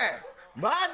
マジ？